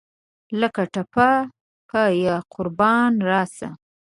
لکه ټپه پۀ یاقربان راسه !